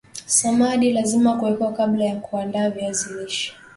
samadi lazima kuwekwa kabla ya kuanda viazi lishe